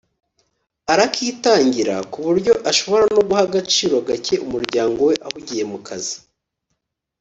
arakitangira ku buryo ashobora no guha agaciro gake umuryango we ahugiye mu kazi